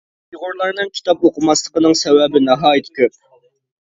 ئۇيغۇرلارنىڭ كىتاب ئوقۇماسلىقىنىڭ سەۋەبى ناھايىتى كۆپ.